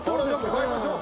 買いましょう！